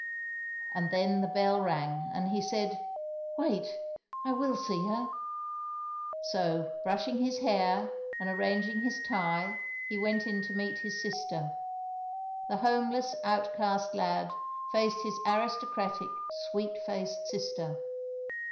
And then the bell rang and he said: "Wait I will see her." So brushing his hair and arranging his tie he went in to meet his sister. The homeless outcast lad faced his aristocratic sweet faced sister!